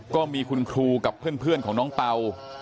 ก็มีคุณครูกับเพื่อนของน้องเป่า